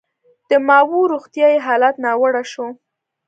د ماوو روغتیايي حالت ناوړه شو.